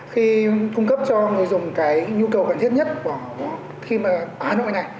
khi cung cấp cho người dùng cái nhu cầu cần thiết nhất của hà nội này